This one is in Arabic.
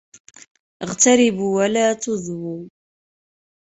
اغْتَرِبُوا وَلَا تُضْوُوا